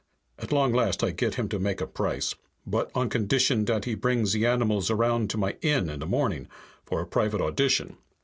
At long last I get him to make a price. But, on condition dat he bring ze animals around to my inn in the morning, for a private audition."